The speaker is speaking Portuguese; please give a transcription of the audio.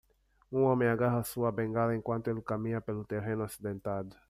Um homem agarra sua bengala enquanto ele caminha pelo terreno acidentado.